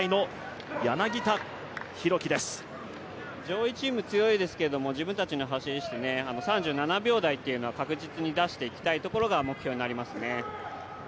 上位チーム強いですけど、自分たちの走りをして３７秒台は確実に出していきたいところが目標になりますね。